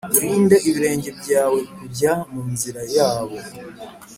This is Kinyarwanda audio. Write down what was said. , Urinde ibirenge byawe kujya mu nzira yabo,